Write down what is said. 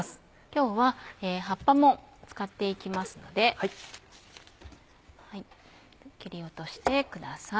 今日は葉っぱも使っていきますので切り落としてください。